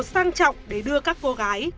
sang trọng để đưa các cô gái